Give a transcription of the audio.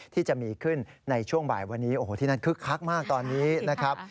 ที่จะมีขึ้นในช่วงบ่ายวันนี้โอ้โหที่นั่นคึกคักมากตอนนี้นะครับ